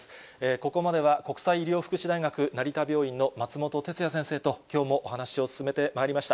ここまでは、国際医療福祉大学成田病院の松本哲哉先生ときょうもお話を進めてまいりました。